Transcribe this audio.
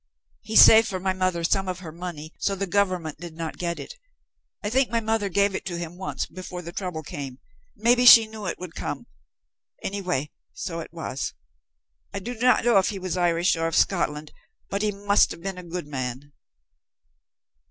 He saved for my mother some of her money so the government did not get it. I think my mother gave it to him, once before the trouble came. Maybe she knew it would come, anyway, so it was. I do not know if he was Irish, or of Scotland but he must have been a good man."